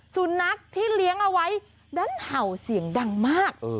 สุนัขที่เลี้ยงเอาไว้ดันเห่าเสียงดังมาก